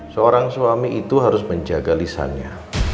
seorang suami itu harus menjaga lisannya